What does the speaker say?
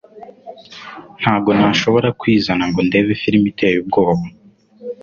Ntabwo nashoboraga kwizana ngo ndebe firime iteye ubwoba.